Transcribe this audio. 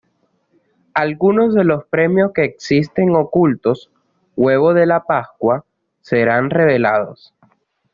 Algunos de los premios que existen ocultos "huevos de pascua" serán revelados.